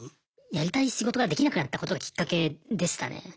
やりたい仕事ができなくなったことがきっかけでしたね。